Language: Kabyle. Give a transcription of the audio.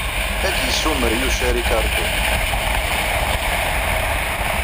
Ad k-yessumar Yuc a Ricardo.